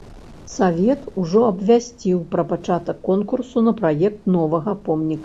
Савет ужо абвясціў пра пачатак конкурсу на праект новага помніка.